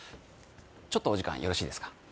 ちょっとお時間よろしいですか？